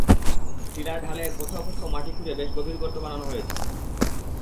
Tiller ঢালে কোথাও কোথাও মাটি খুঁড়ে বেশ গভীর গর্ত বানানো হয়েছে।